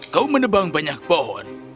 kau menebang banyak pohon